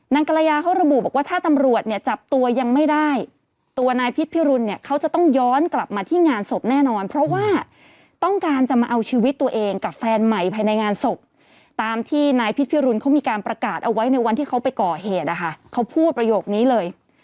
กรยาเขาระบุบอกว่าถ้าตำรวจเนี่ยจับตัวยังไม่ได้ตัวนายพิษพิรุณเนี่ยเขาจะต้องย้อนกลับมาที่งานศพแน่นอนเพราะว่าต้องการจะมาเอาชีวิตตัวเองกับแฟนใหม่ภายในงานศพตามที่นายพิษพิรุนเขามีการประกาศเอาไว้ในวันที่เขาไปก่อเหตุนะคะเขาพูดประโยคนี้เลย